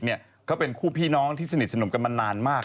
เขาเป็นคู่พี่น้องที่สนิทสนมกันมานานมาก